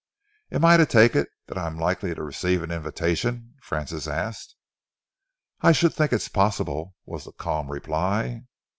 "Am I to take it that I am likely to receive an invitation?" Francis asked. "I should think it possible," was the calm reply.